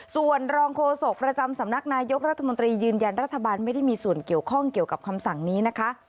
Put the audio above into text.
ส่วนรองโฆษกประจำสำนักนายกรัฐมนตรียืนยันรัฐบาลไม่ได้มีส่วนเกี่ยวข้องเกี่ยวกับคำสั่งนี้นะคะ